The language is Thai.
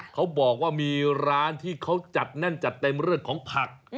เขาบอกว่ามีร้านที่เขาจัดแน่นจัดเต็มเรื่องของผัก